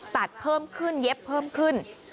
ตัดเพิ่มขึ้นเย็บเพิ่มขึ้น